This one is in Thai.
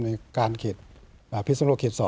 ในการเขตพิศนุโลกเขต๒